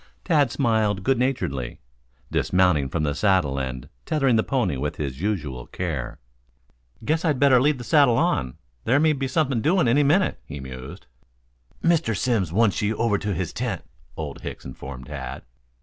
Tad smiled good naturedly, dismounting from the saddle and tethering the pony with his usual care. "Guess I'd better leave the saddle on. There may be something doing any minute," he mused. "Mr. Simms wants ye over to his tent," Old Hicks informed Tad.